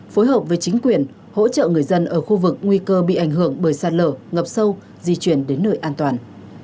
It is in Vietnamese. phối hợp với chính quyền hỗ trợ người dân ở khu vực nguy cơ bị ảnh hưởng bởi sạt lở ngập sâu di chuyển đến nơi an toàn